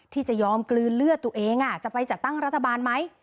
ที่จะยอมกลืนเลือดตัวเองจะไปจัดตั้งรัฐบาลไหม